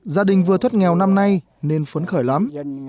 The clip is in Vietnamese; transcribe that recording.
gia đình vừa thoát nghèo năm nay nên phấn khởi lắm